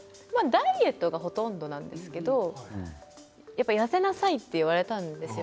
ダイエットがほとんどなんですけど痩せなさいと言われたんですよ。